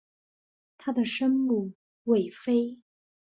她的生母韦妃。